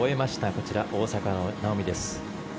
こちら、大坂なおみです。